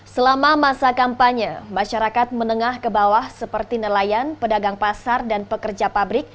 selama masa kampanye masyarakat menengah ke bawah seperti nelayan pedagang pasar dan pekerja pabrik